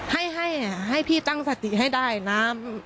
ให้ให้พี่ตั้งสติให้ได้นะ